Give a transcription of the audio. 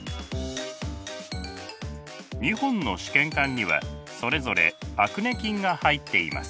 ２本の試験管にはそれぞれアクネ菌が入っています。